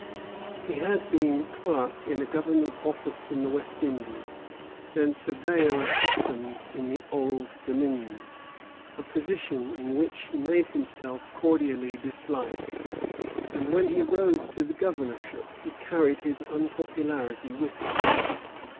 He had been clerk in a government office in the West Indies; then surveyor of customs in the "Old Dominion," a position in which he made himself cordially disliked; and when he rose to the governorship he carried his unpopularity with him.